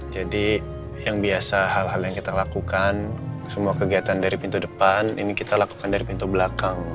jadi yang biasa hal hal yang kita lakukan semua kegiatan dari pintu depan ini kita lakukan dari pintu belakang